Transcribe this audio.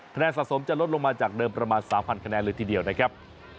คะแนนสะสมจะลดลงมาจากเดิมประมาณ๓๐๐คะแนนเลยทีเดียวนะครับ